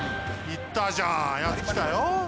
いったじゃんヤツきたよ。